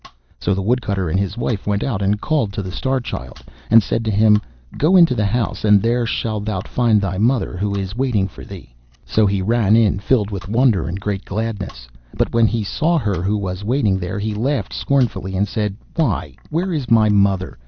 So the Woodcutter and his wife went out and called to the Star Child, and said to him, 'Go into the house, and there shalt thou find thy mother, who is waiting for thee.' So he ran in, filled with wonder and great gladness. But when he saw her who was waiting there, he laughed scornfully and said, 'Why, where is my mother?